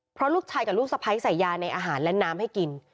เพราะลูกชายกับลูกสะพ้ายใส่ยาในอาหารและน้ำให้กิน